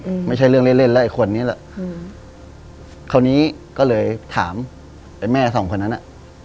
อืมไม่ใช่เรื่องเล่นเล่นแล้วไอ้คนนี้แหละอืมคราวนี้ก็เลยถามไอ้แม่สองคนนั้นอ่ะ